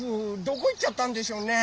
どこいっちゃったんでしょうね？